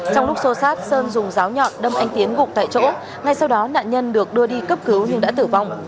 trong lúc xô sát sơn dùng giáo nhọn đâm anh tiến gục tại chỗ ngay sau đó nạn nhân được đưa đi cấp cứu nhưng đã tử vong